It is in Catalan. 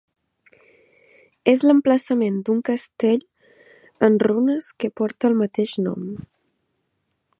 És l'emplaçament d'un castell en runes que porta el mateix nom.